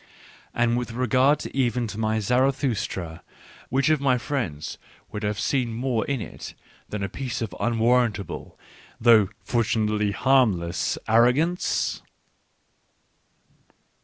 And with regard even to my Zaratkustra, which of my friends would have seen more in it than a piece of unwarrantable, though fortunately harmless, ar rogance